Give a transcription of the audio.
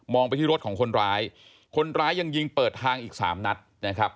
ไปที่รถของคนร้ายคนร้ายยังยิงเปิดทางอีกสามนัดนะครับ